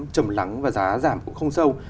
trầm lắng và giá giảm cũng không sâu